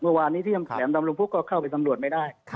เมื่อวานนี้ที่แหลมดำรุมพุกก็เข้าไปสำรวจไม่ได้